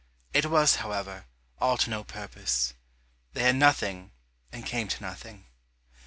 It was, however, all to no purpose, they had nothing and came to nothing.